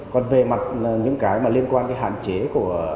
còn về mặt những cái mà liên quan cái hạn chế của